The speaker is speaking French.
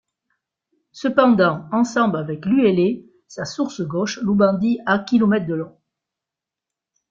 Cependant ensemble avec l'Uele, sa source gauche, l'Oubangui a km de long.